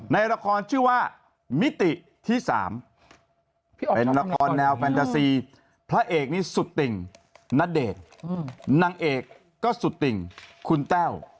ในละครชื่อว่ามิติที่๓เป็นละครแนวแฟนดาซีพระเอกนี้สุดติ่งณเดชน์นางเอกก็สุดติ่งคุณแต้ว